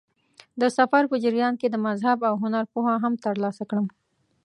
د سفر په جریان کې د مذهب او هنر پوهه هم ترلاسه کړم.